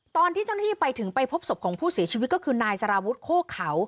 ตอนที่เจ้าหน้าที่ไปถึงไปพบศพของผู้เสียชีวิตก็คือนายสารวุฒิโคกเขา